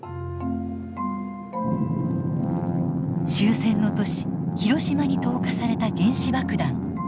終戦の年広島に投下された原子爆弾。